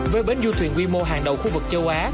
với bến du thuyền quy mô hàng đầu khu vực châu á